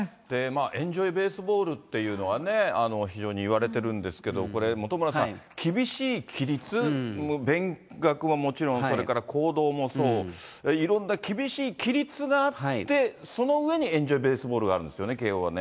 エンジョイベースボールというのはね、非常にいわれているんですけど、これ、本村さん、厳しい規律、勉学ももちろん、それから行動もそう、いろんな厳しい規律があって、その上にエンジョイベースボールがあるんですよね、慶応はね。